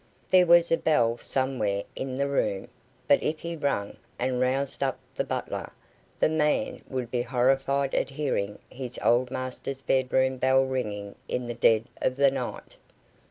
There was a bell somewhere in the room; but if he rang, and roused up the butler, the man would be horrified at hearing his old master's bedroom bell ringing in the dead of the night.